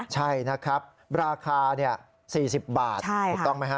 ใช่นะครับราคา๔๐บาทถูกต้องไหมฮะ